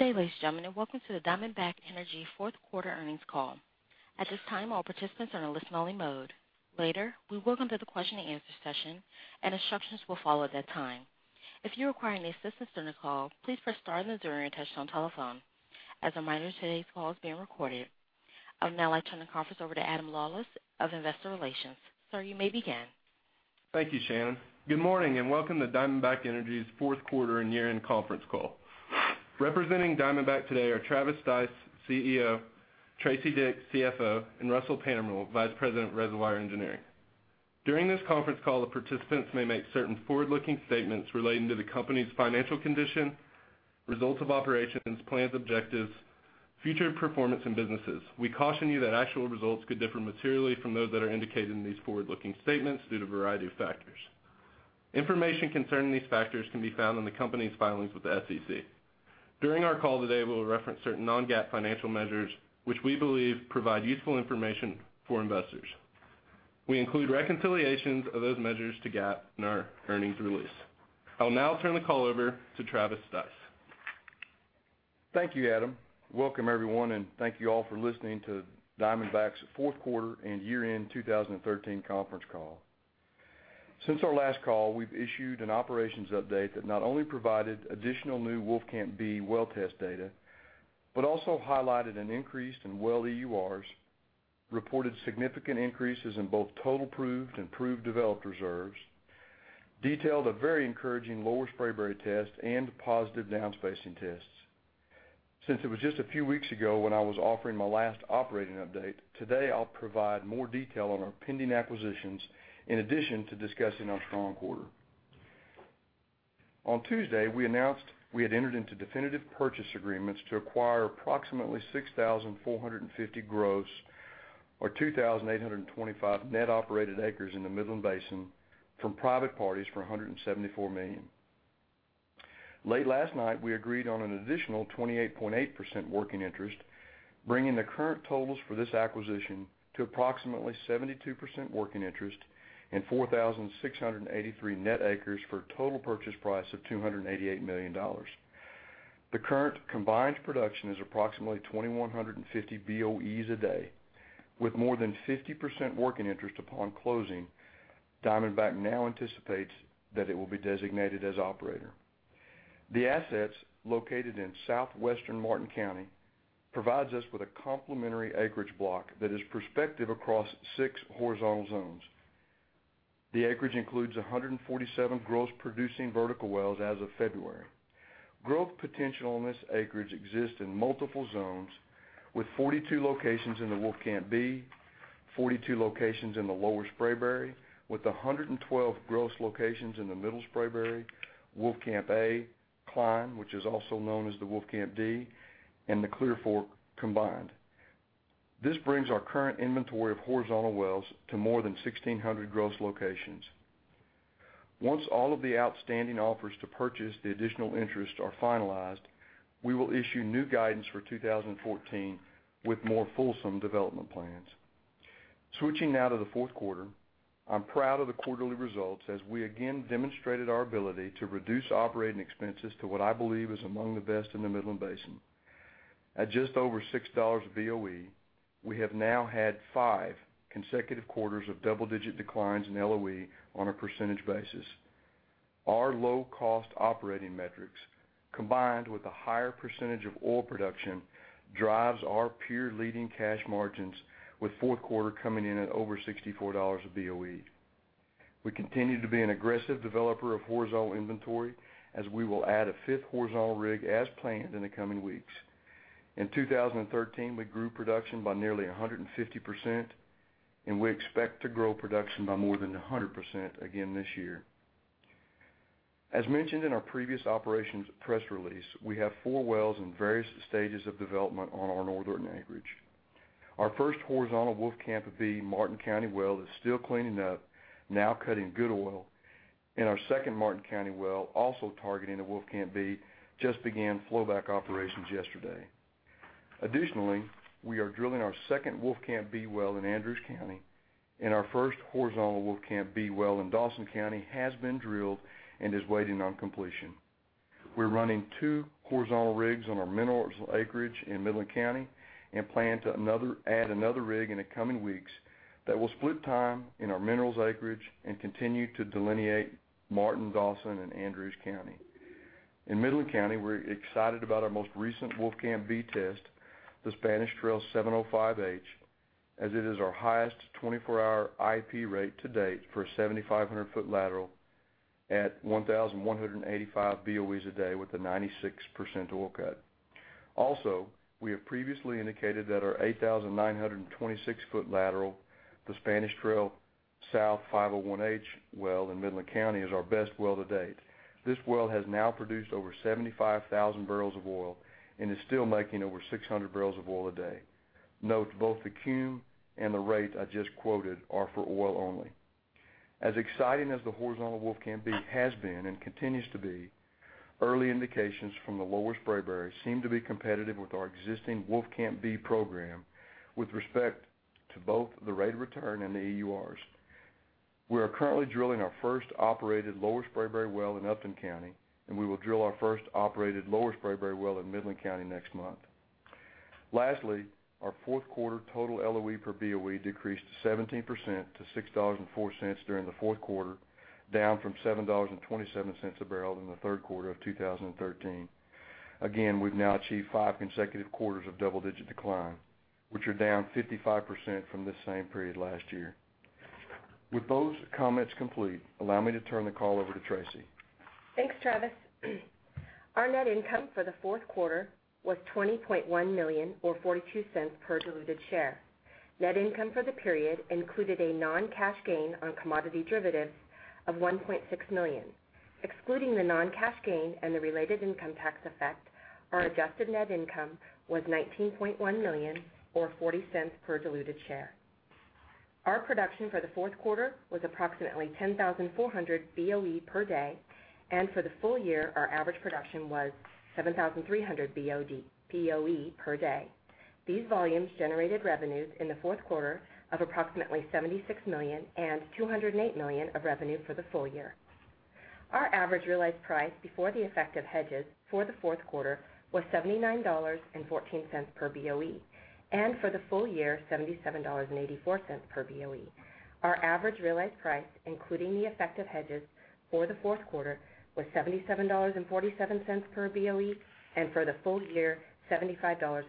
Good day, ladies and gentlemen, and welcome to the Diamondback Energy fourth quarter earnings call. At this time, all participants are in a listen only mode. Later, we will come to the question and answer session, and instructions will follow at that time. If you require any assistance during the call, please press star on the touch tone telephone. As a reminder, today's call is being recorded. I would now like to turn the conference over to Adam Lawlis of Investor Relations. Sir, you may begin. Thank you, Shannon. Good morning, and welcome to Diamondback Energy's fourth quarter and year-end conference call. Representing Diamondback today are Travis Stice, CEO, Teresa Dick, CFO, and Russell Pantermuehl, Vice President of Reservoir Engineering. During this conference call, the participants may make certain forward-looking statements relating to the company's financial condition, results of operations, plans, objectives, future performance, and businesses. We caution you that actual results could differ materially from those that are indicated in these forward-looking statements due to a variety of factors. Information concerning these factors can be found in the company's filings with the SEC. During our call today, we'll reference certain non-GAAP financial measures, which we believe provide useful information for investors. We include reconciliations of those measures to GAAP in our earnings release. I'll now turn the call over to Travis Stice. Thank you, Adam. Welcome everyone, and thank you all for listening to Diamondback's fourth quarter and year-end 2013 conference call. Since our last call, we've issued an operations update that not only provided additional new Wolfcamp B well test data, but also highlighted an increase in well EURs, reported significant increases in both total proved and proved developed reserves, detailed a very encouraging Lower Spraberry test and positive down spacing tests. Since it was just a few weeks ago when I was offering my last operating update, today I'll provide more detail on our pending acquisitions in addition to discussing our strong quarter. On Tuesday, we announced we had entered into definitive purchase agreements to acquire approximately 6,450 gross, or 2,825 net operated acres in the Midland Basin from private parties for $174 million. Late last night, we agreed on an additional 28.8% working interest, bringing the current totals for this acquisition to approximately 72% working interest and 4,683 net acres for a total purchase price of $288 million. The current combined production is approximately 2,150 BOEs a day. With more than 50% working interest upon closing, Diamondback now anticipates that it will be designated as operator. The assets located in southwestern Martin County provides us with a complementary acreage block that is prospective across 6 horizontal zones. The acreage includes 147 gross producing vertical wells as of February. Growth potential in this acreage exists in multiple zones with 42 locations in the Wolfcamp B, 42 locations in the Lower Spraberry, with 112 gross locations in the Middle Spraberry, Wolfcamp A, Cline, which is also known as the Wolfcamp D, and the Clear Fork combined. This brings our current inventory of horizontal wells to more than 1,600 gross locations. Once all of the outstanding offers to purchase the additional interest are finalized, we will issue new guidance for 2014 with more fulsome development plans. Switching now to the fourth quarter, I'm proud of the quarterly results as we again demonstrated our ability to reduce operating expenses to what I believe is among the best in the Midland Basin. At just over $6 BOE, we have now had five consecutive quarters of double-digit declines in LOE on a percentage basis. Our low-cost operating metrics, combined with a higher percentage of oil production, drives our peer-leading cash margins, with fourth quarter coming in at over $64 a BOE. We continue to be an aggressive developer of horizontal inventory as we will add a fifth horizontal rig as planned in the coming weeks. In 2013, we grew production by nearly 150%. We expect to grow production by more than 100% again this year. As mentioned in our previous operations press release, we have four wells in various stages of development on our Northern acreage. Our first horizontal Wolfcamp B Martin County well is still cleaning up, now cutting good oil, and our second Martin County well, also targeting the Wolfcamp B, just began flow back operations yesterday. Additionally, we are drilling our second Wolfcamp B well in Andrews County, and our first horizontal Wolfcamp B well in Dawson County has been drilled and is waiting on completion. We're running two horizontal rigs on our minerals acreage in Midland County and plan to add another rig in the coming weeks that will split time in our minerals acreage and continue to delineate Martin, Dawson, and Andrews County. In Midland County, we're excited about our most recent Wolfcamp B test, the Spanish Trail 705H, as it is our highest 24-hour IP rate to date for a 7,500-foot lateral at 1,185 BOEs a day with a 96% oil cut. Also, we have previously indicated that our 8,926-foot lateral, the Spanish Trail South 501H well in Midland County, is our best well to date. This well has now produced over 75,000 barrels of oil and is still making over 600 barrels of oil a day. Note both the cum and the rate I just quoted are for oil only. As exciting as the horizontal Wolfcamp B has been and continues to be, early indications from the Lower Spraberry seem to be competitive with our existing Wolfcamp B program with respect to both the rate of return and the EURs. We are currently drilling our first operated Lower Spraberry well in Upton County, and we will drill our first operated Lower Spraberry well in Midland County next month. Lastly, our fourth quarter total LOE per BOE decreased 17% to $6.04 during the fourth quarter, down from $7.27 a barrel in the third quarter of 2013. Again, we've now achieved five consecutive quarters of double-digit decline, which are down 55% from this same period last year. With those comments complete, allow me to turn the call over to Teresa. Thanks, Travis. Our net income for the fourth quarter was $20.1 million, or $0.42 per diluted share. Net income for the period included a non-cash gain on commodity derivatives of $1.6 million. Excluding the non-cash gain and the related income tax effect, our adjusted net income was $19.1 million, or $0.40 per diluted share. Our production for the fourth quarter was approximately 10,400 BOE per day, and for the full year, our average production was 7,300 BOE per day. These volumes generated revenues in the fourth quarter of approximately $76 million and $208 million of revenue for the full year. Our average realized price before the effect of hedges for the fourth quarter was $79.14 per BOE, and for the full year, $77.84 per BOE. Our average realized price, including the effect of hedges for the fourth quarter, was $77.47 per BOE, and for the full year, $75.14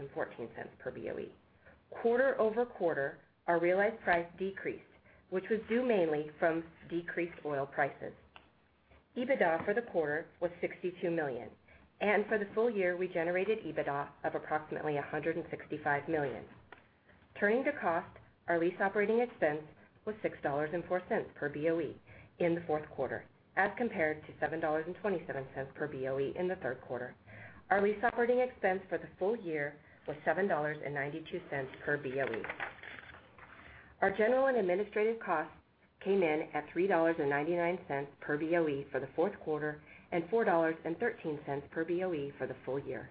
per BOE. Quarter-over-quarter, our realized price decreased, which was due mainly from decreased oil prices. EBITDA for the quarter was $62 million, and for the full year, we generated EBITDA of approximately $165 million. Turning to cost, our lease operating expense was $6.04 per BOE in the fourth quarter, as compared to $7.27 per BOE in the third quarter. Our lease operating expense for the full year was $7.92 per BOE. Our general and administrative costs came in at $3.99 per BOE for the fourth quarter and $4.13 per BOE for the full year.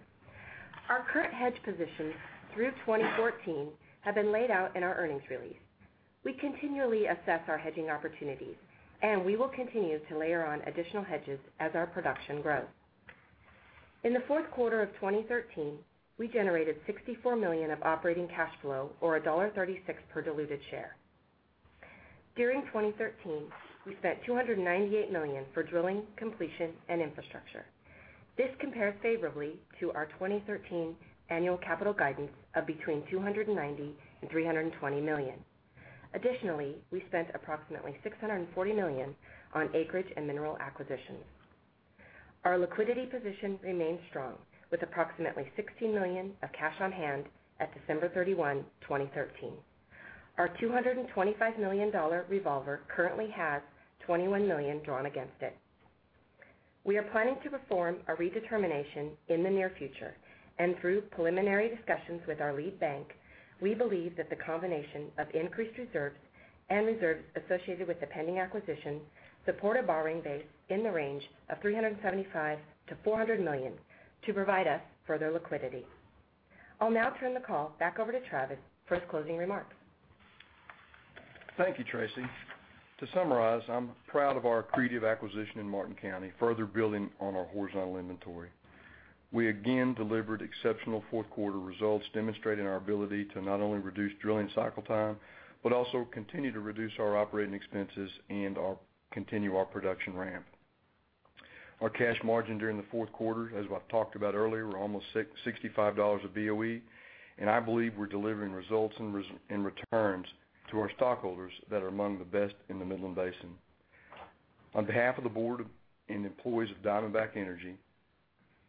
Our current hedge positions through 2014 have been laid out in our earnings release. We continually assess our hedging opportunities. We will continue to layer on additional hedges as our production grows. In the fourth quarter of 2013, we generated $64 million of operating cash flow, or $1.36 per diluted share. During 2013, we spent $298 million for drilling, completion, and infrastructure. This compares favorably to our 2013 annual capital guidance of between $290 million-$320 million. Additionally, we spent approximately $640 million on acreage and mineral acquisitions. Our liquidity position remains strong, with approximately $16 million of cash on hand at December 31, 2013. Our $225 million revolver currently has $21 million drawn against it. We are planning to perform a redetermination in the near future. Through preliminary discussions with our lead bank, we believe that the combination of increased reserves and reserves associated with the pending acquisition support a borrowing base in the range of $375 million-$400 million to provide us further liquidity. I'll now turn the call back over to Travis for his closing remarks. Thank you, Teresa. To summarize, I'm proud of our accretive acquisition in Martin County, further building on our horizontal inventory. We again delivered exceptional fourth-quarter results, demonstrating our ability to not only reduce drilling cycle time, but also continue to reduce our operating expenses and continue our production ramp. Our cash margin during the fourth quarter, as I've talked about earlier, were almost $65 a BOE, and I believe we're delivering results and returns to our stockholders that are among the best in the Midland Basin. On behalf of the board and employees of Diamondback Energy,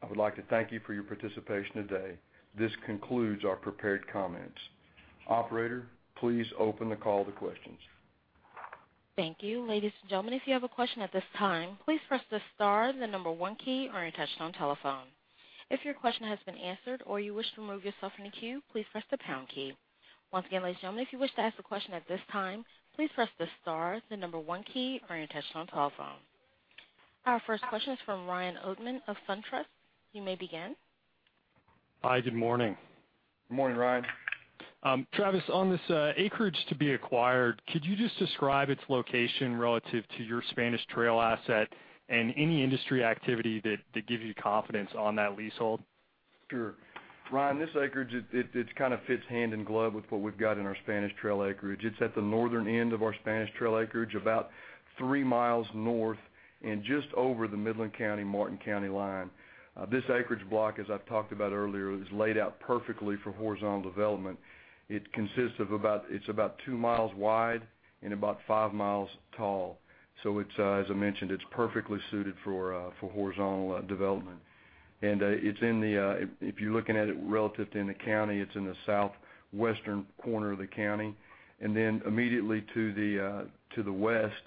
I would like to thank you for your participation today. This concludes our prepared comments. Operator, please open the call to questions. Thank you. Ladies and gentlemen, if you have a question at this time, please press the star, the number one key on your touch-tone telephone. If your question has been answered or you wish to remove yourself from the queue, please press the pound key. Once again, ladies and gentlemen, if you wish to ask a question at this time, please press the star, the number one key on your touch-tone telephone. Our first question is from Ryan Oatman of SunTrust. You may begin. Hi, good morning. Good morning, Ryan. Travis, on this acreage to be acquired, could you just describe its location relative to your Spanish Trail asset and any industry activity that gives you confidence on that leasehold? Sure. Ryan, this acreage fits hand in glove with what we've got in our Spanish Trail acreage. It's at the northern end of our Spanish Trail acreage, about three miles north and just over the Midland County, Martin County line. This acreage block, as I've talked about earlier, is laid out perfectly for horizontal development. It's about two miles wide and about five miles tall. As I mentioned, it's perfectly suited for horizontal development. If you're looking at it relative to in the county, it's in the southwestern corner of the county. Immediately to the west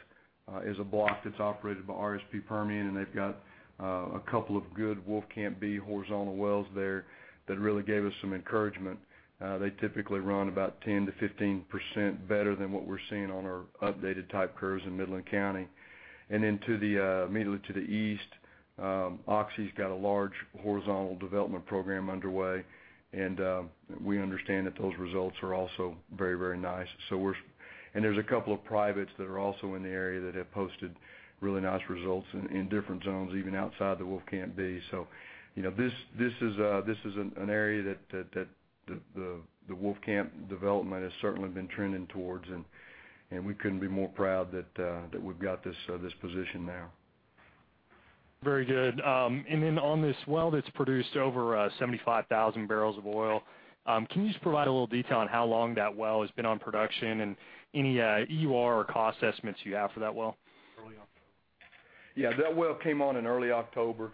is a block that's operated by RSP Permian, and they've got a couple of good Wolfcamp B horizontal wells there that really gave us some encouragement. They typically run about 10%-15% better than what we're seeing on our updated type curves in Midland County. Immediately to the east Oxy's got a large horizontal development program underway, and we understand that those results are also very, very nice. There's a couple of privates that are also in the area that have posted really nice results in different zones, even outside the Wolfcamp B. This is an area that the Wolfcamp development has certainly been trending towards, and we couldn't be more proud that we've got this position now. Very good. On this well that's produced over 75,000 barrels of oil, can you just provide a little detail on how long that well has been on production and any EUR or cost estimates you have for that well? Yeah, that well came on in early October.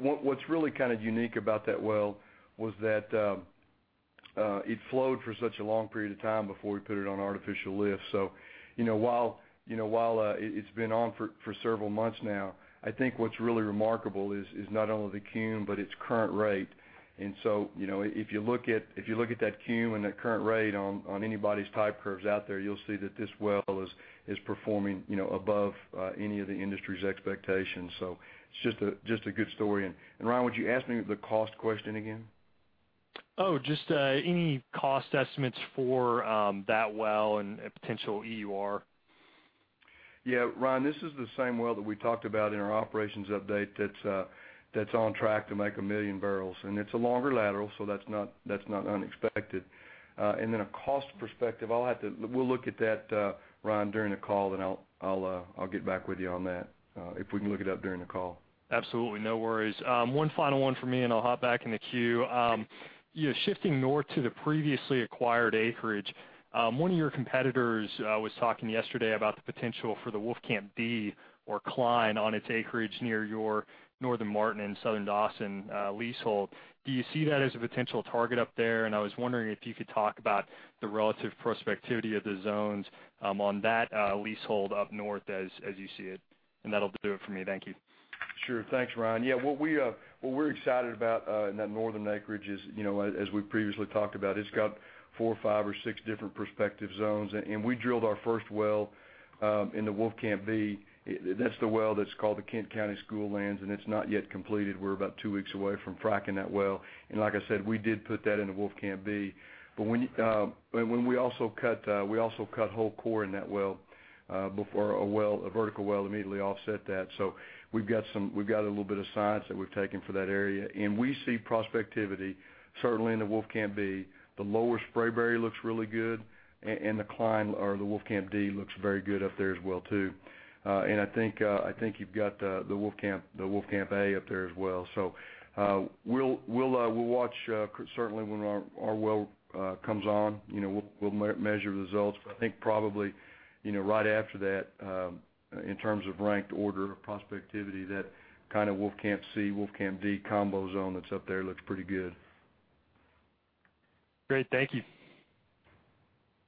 What's really kind of unique about that well was that it flowed for such a long period of time before we put it on artificial lift. While it's been on for several months now, I think what's really remarkable is not only the cum, but its current rate. If you look at that cum and that current rate on anybody's type curves out there, you'll see that this well is performing above any of the industry's expectations. It's just a good story. Ryan, would you ask me the cost question again? Just any cost estimates for that well and potential EUR. Yeah. Ryan, this is the same well that we talked about in our operations update that's on track to make 1 million barrels. It's a longer lateral, so that's not unexpected. Then a cost perspective, we'll look at that, Ryan, during the call, I'll get back with you on that. If we can look it up during the call. Absolutely. No worries. One final one for me, I'll hop back in the queue. Shifting north to the previously acquired acreage, one of your competitors was talking yesterday about the potential for the Wolfcamp B or Cline on its acreage near your Northern Martin and Southern Dawson leasehold. Do you see that as a potential target up there? I was wondering if you could talk about the relative prospectivity of the zones on that leasehold up north as you see it. That'll do it for me. Thank you. Sure. Thanks, Ryan. What we're excited about in that northern acreage is, as we previously talked about, it's got four or five or six different prospective zones, we drilled our first well in the Wolfcamp B. That's the well that's called the Kent County School Lands, and it's not yet completed. We're about two weeks away from fracking that well. Like I said, we did put that in the Wolfcamp B. We also cut whole core in that well before a vertical well immediately offset that. We've got a little bit of science that we've taken for that area, and we see prospectivity certainly in the Wolfcamp B. The Lower Spraberry looks really good, and the Cline or the Wolfcamp D looks very good up there as well, too. I think you've got the Wolfcamp A up there as well. We'll watch certainly when our well comes on. We'll measure the results, but I think probably, right after that, in terms of ranked order of prospectivity, that kind of Wolfcamp C, Wolfcamp D combo zone that's up there looks pretty good. Great. Thank you.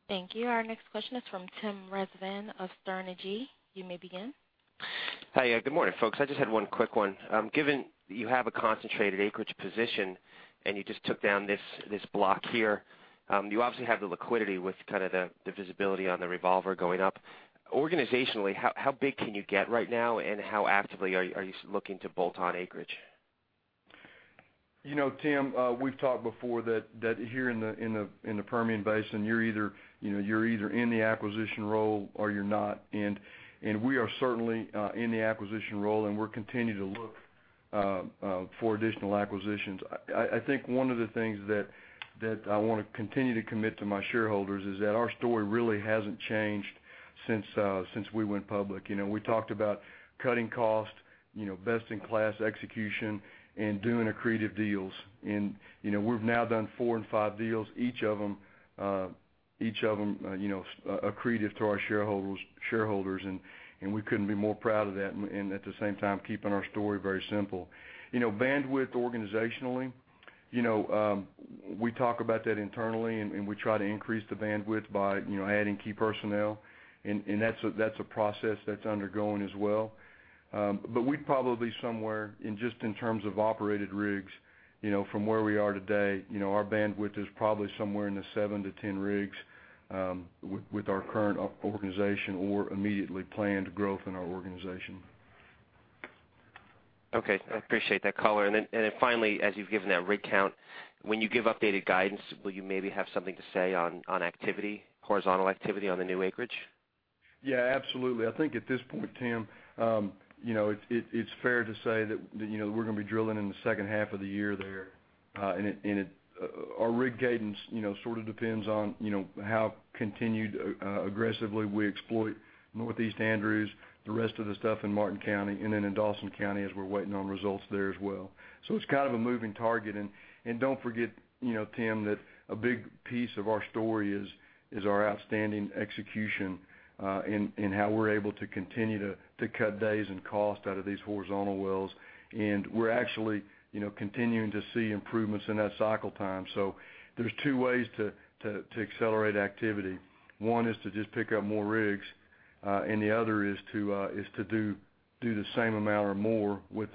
Thank you. Our next question is from Tim Rezvan of Sterne Agee. You may begin. Hi. Good morning, folks. I just had one quick one. Given you have a concentrated acreage position and you just took down this block here, you obviously have the liquidity with kind of the visibility on the revolver going up. Organizationally, how big can you get right now, and how actively are you looking to bolt on acreage? Tim, we've talked before that here in the Permian Basin, you're either in the acquisition role or you're not. We are certainly in the acquisition role. We're continuing to look for additional acquisitions. I think one of the things that I want to continue to commit to my shareholders is that our story really hasn't changed since we went public. We talked about cutting cost, best-in-class execution, and doing accretive deals. We've now done four and five deals, each of them accretive to our shareholders, and we couldn't be more proud of that. At the same time, keeping our story very simple. Bandwidth organizationally, we talk about that internally. We try to increase the bandwidth by adding key personnel. That's a process that's undergoing as well. We'd probably somewhere, just in terms of operated rigs, from where we are today, our bandwidth is probably somewhere in the seven to 10 rigs with our current organization or immediately planned growth in our organization. Okay. I appreciate that color. Finally, as you've given that rig count, when you give updated guidance, will you maybe have something to say on activity, horizontal activity on the new acreage? Yeah, absolutely. I think at this point, Tim, it's fair to say that we're going to be drilling in the second half of the year there. Our rig cadence sort of depends on how continued aggressively we exploit Northeast Andrews, the rest of the stuff in Martin County, and then in Dawson County, as we're waiting on results there as well. It's kind of a moving target. Don't forget, Tim, that a big piece of our story is our outstanding execution in how we're able to continue to cut days and cost out of these horizontal wells. We're actually continuing to see improvements in that cycle time. There's two ways to accelerate activity. One is to just pick up more rigs, and the other is to do the same amount or more with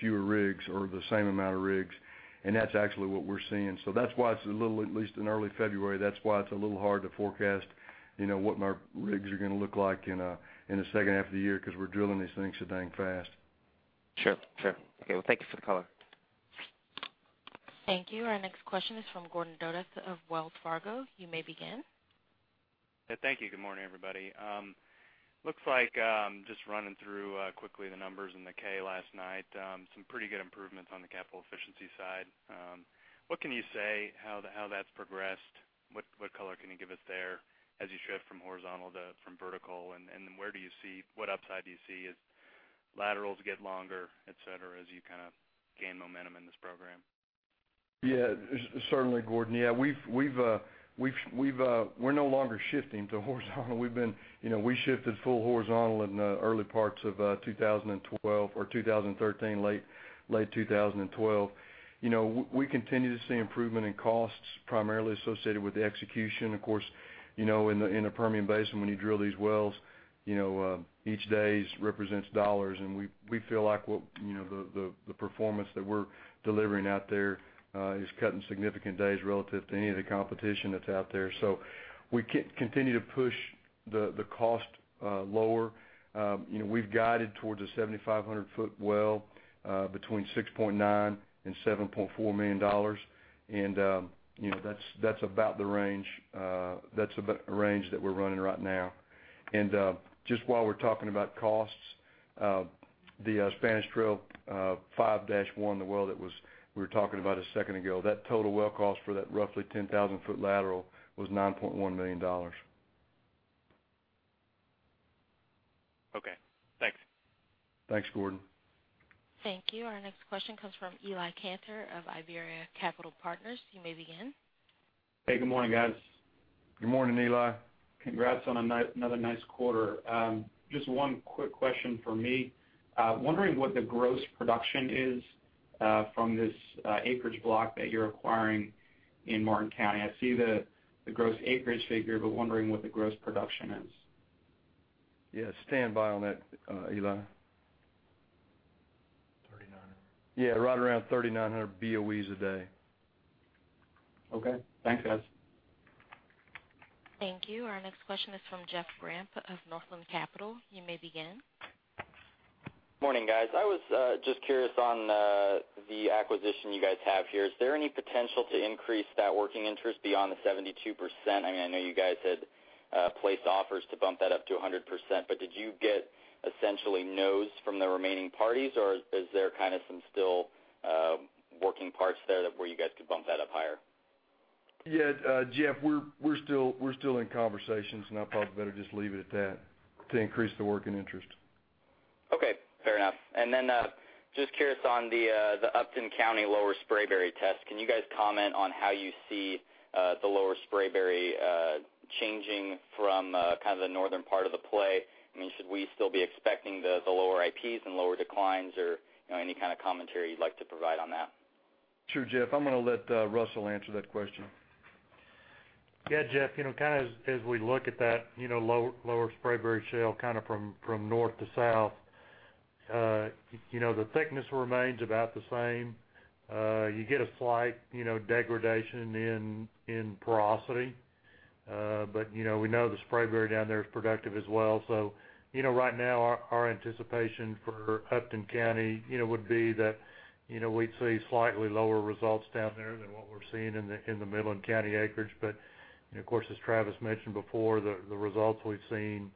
fewer rigs or the same amount of rigs. That's actually what we're seeing. That's why it's a little, at least in early February, that's why it's a little hard to forecast what my rigs are going to look like in the second half of the year because we're drilling these things so dang fast. Sure. Okay. Well, thank you for the color. Thank you. Our next question is from Gordon Douthat of Wells Fargo. You may begin. Thank you. Good morning, everybody. Looks like, just running through quickly the numbers in the K last night, some pretty good improvements on the capital efficiency side. What can you say how that's progressed? What color can you give us there as you shift from horizontal to from vertical? Then what upside do you see as laterals get longer, et cetera, as you gain momentum in this program? Yeah. Certainly, Gordon. We're no longer shifting to horizontal. We shifted full horizontal in the early parts of 2012 or 2013, late 2012. We continue to see improvement in costs primarily associated with the execution. Of course, in the Permian Basin, when you drill these wells, each day represents dollars, and we feel like the performance that we're delivering out there is cutting significant days relative to any of the competition that's out there. We continue to push the cost lower. We've guided towards a 7,500-foot well between $6.9 million and $7.4 million. That's the range that we're running right now. Just while we're talking about costs, the Spanish Trail 501H, the well that we were talking about a second ago, that total well cost for that roughly 10,000-foot lateral was $9.1 million. Okay. Thanks. Thanks, Gordon. Thank you. Our next question comes from Eli Kantor of Iberia Capital Partners. You may begin. Hey, good morning, guys. Good morning, Eli. Congrats on another nice quarter. Just one quick question from me. Wondering what the gross production is from this acreage block that you're acquiring in Martin County. I see the gross acreage figure, but wondering what the gross production is. Yeah, stand by on that, Eli. 3,900. Yeah, right around 3,900 BOEs a day. Okay. Thanks, guys. Thank you. Our next question is from Jeff Grampp of Northland Capital. You may begin. Morning, guys. I was just curious on the acquisition you guys have here. Is there any potential to increase that working interest beyond the 72%? I know you guys had placed offers to bump that up to 100%, but did you get essentially nos from the remaining parties, or is there some still working parts there where you guys could bump that up higher? Yeah, Jeff, we're still in conversations, and I probably better just leave it at that, to increase the working interest. Okay. Fair enough. Just curious on the Upton County Lower Spraberry test. Can you guys comment on how you see the Lower Spraberry changing from the northern part of the play? Should we still be expecting the lower IPs and lower declines, or any kind of commentary you'd like to provide on that? Sure, Jeff. I'm going to let Russell answer that question. Jeff, as we look at that Lower Spraberry shale from north to south, the thickness remains about the same. You get a slight degradation in porosity. We know the Spraberry down there is productive as well. Right now, our anticipation for Upton County would be that we'd see slightly lower results down there than what we're seeing in the Midland County acreage. Of course, as Travis mentioned before, the results we've seen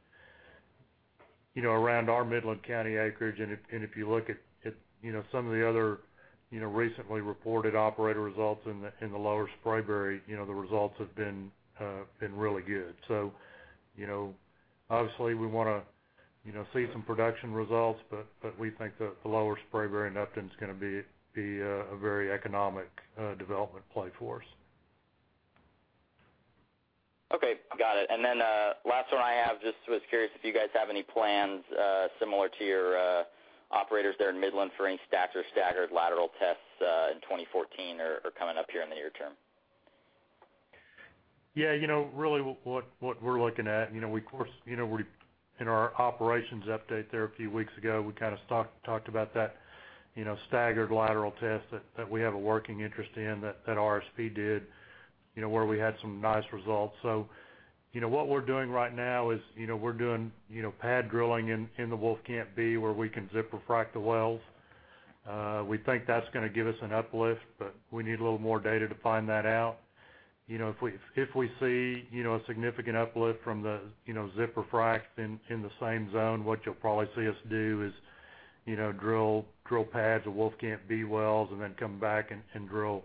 around our Midland County acreage, and if you look at some of the other recently reported operator results in the Lower Spraberry, the results have been really good. Obviously, we want to see some production results, but we think that the Lower Spraberry in Upton's going to be a very economic development play for us. Okay. Got it. Last one I have, just was curious if you guys have any plans similar to your operators there in Midland for any stacked or staggered lateral tests in 2014 or coming up here in the near term? Yeah. Really, what we're looking at, in our operations update there a few weeks ago, we talked about that staggered lateral test that we have a working interest in, that RSP did, where we had some nice results. What we're doing right now is we're doing pad drilling in the Wolfcamp B, where we can zipper frac the wells. We think that's going to give us an uplift, but we need a little more data to find that out. If we see a significant uplift from the zipper fracs in the same zone, what you'll probably see us do is drill pads of Wolfcamp B wells, then come back and drill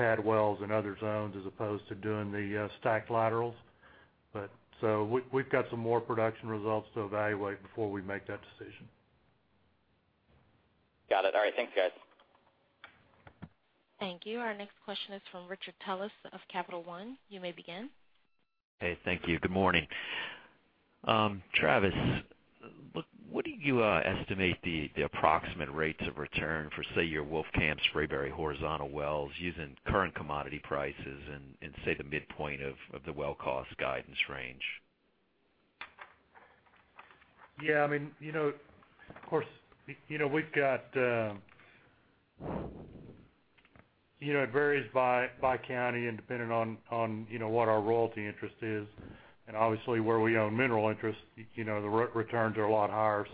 pad wells in other zones as opposed to doing the stacked laterals. We've got some more production results to evaluate before we make that decision. Got it. All right. Thanks, guys. Thank you. Our next question is from Richard Tullis of Capital One. You may begin. Hey. Thank you. Good morning. Travis Stice, what do you estimate the approximate rates of return for, say, your Wolfcamp Spraberry horizontal wells using current commodity prices and, say, the midpoint of the well cost guidance range? It varies by county and depending on what our royalty interest is. Obviously, where we own mineral interest, the returns are a lot higher.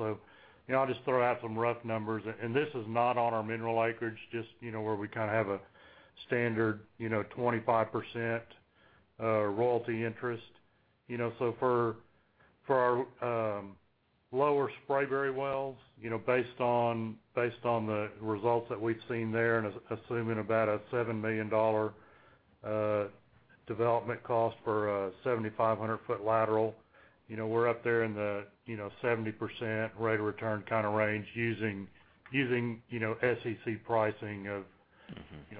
I'll just throw out some rough numbers. This is not on our mineral acreage, just where we have a standard 25% royalty interest. For our Lower Spraberry wells, based on the results that we've seen there and assuming about a $7 million development cost for a 7,500-foot lateral, we're up there in the 70% rate of return kind of range using SEC pricing of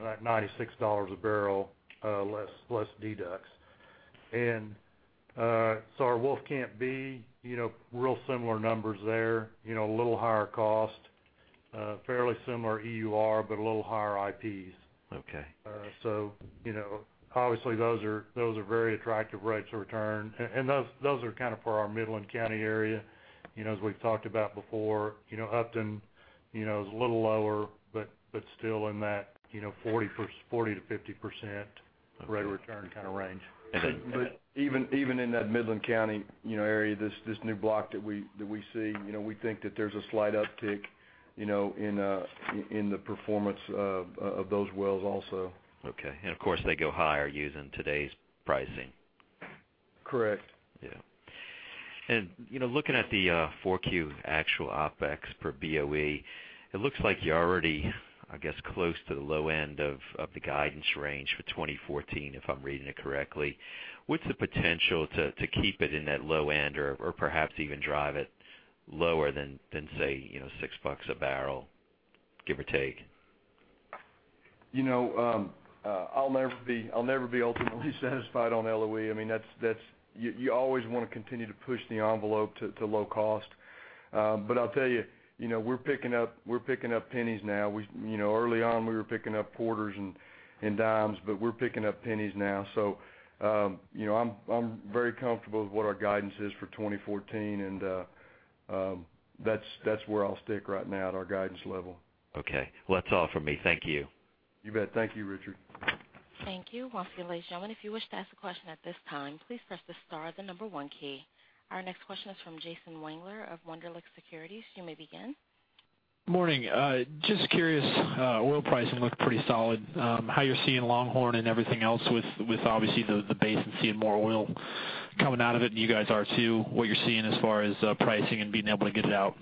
that $96 a barrel, less deducts. Our Wolfcamp B, real similar numbers there, a little higher cost, fairly similar EUR, but a little higher IPs. Okay. Obviously, those are very attractive rates of return, and those are for our Midland County area. As we've talked about before, Upton is a little lower, but still in that 40%-50% rate of return kind of range. Okay. Even in that Midland County area, this new block that we see, we think that there's a slight uptick in the performance of those wells also. Okay. Of course, they go higher using today's pricing. Correct. Yeah. Looking at the 4Q actual OPEX per BOE, it looks like you're already, I guess, close to the low end of the guidance range for 2014, if I'm reading it correctly. What's the potential to keep it in that low end or perhaps even drive it lower than, say, $6 a barrel, give or take? I'll never be ultimately satisfied on LOE. You always want to continue to push the envelope to low cost. I'll tell you, we're picking up pennies now. Early on, we were picking up quarters and dimes, but we're picking up pennies now. I'm very comfortable with what our guidance is for 2014, and that's where I'll stick right now, at our guidance level. Okay. Well, that's all from me. Thank you. You bet. Thank you, Richard. Thank you. Once again, ladies and gentlemen, if you wish to ask a question at this time, please press the star, the number 1 key. Our next question is from Jason Wangler of Wunderlich Securities. You may begin. Morning. Just curious, oil pricing looked pretty solid. How you're seeing Longhorn and everything else with obviously the basin seeing more oil coming out of it, and you guys are too, what you're seeing as far as pricing and being able to get it out?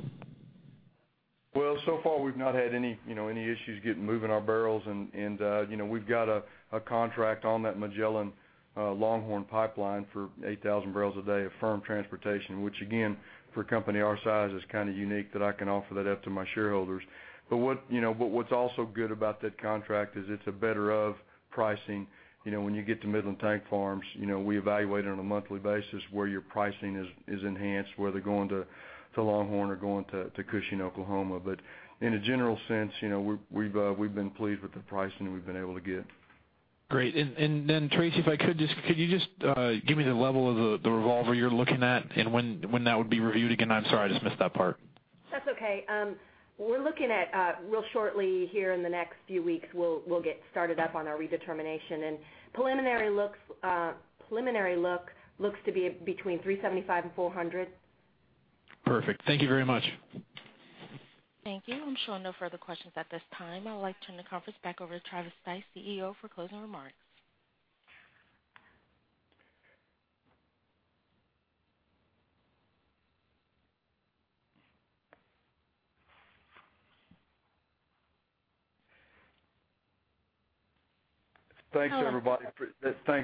So far, we've not had any issues moving our barrels, we've got a contract on that Magellan Longhorn pipeline for 8,000 barrels a day of firm transportation, which again, for a company our size, is kind of unique that I can offer that up to my shareholders. What's also good about that contract is it's a better of pricing. When you get to Midland tank farms, we evaluate it on a monthly basis where your pricing is enhanced, whether going to Longhorn or going to Cushing, Oklahoma. In a general sense, we've been pleased with the pricing we've been able to get. Great. Teresa, if I could you just give me the level of the revolver you're looking at and when that would be reviewed again? I'm sorry, I just missed that part. That's okay. We're looking at real shortly here in the next few weeks, we'll get started up on our redetermination. Preliminary look looks to be between $375 and $400. Perfect. Thank you very much. Thank you. I am showing no further questions at this time. I would like to turn the conference back over to Travis Stice, CEO, for closing remarks. Thanks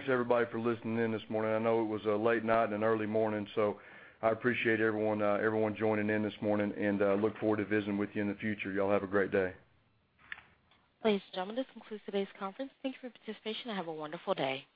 everybody for listening in this morning. I know it was a late night and an early morning. I appreciate everyone joining in this morning and look forward to visiting with you in the future. You all have a great day. Ladies and gentlemen, this concludes today's conference. Thank you for your participation and have a wonderful day.